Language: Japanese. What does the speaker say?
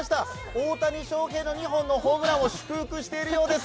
大谷翔平の２本のホームランを祝福しているようです。